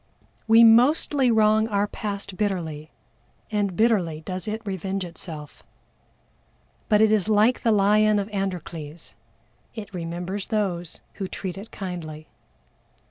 We mostly wrong our past bitterly, and bitterly does it revenge itself. But it is like the lion of ANDROCLES, it remembers those who treat it kindly.